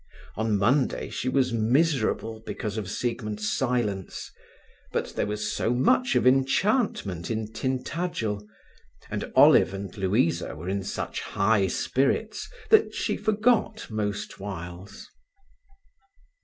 On Monday she was miserable because of Siegmund's silence, but there was so much of enchantment in Tintagel, and Olive and Louisa were in such high spirits, that she forgot most whiles.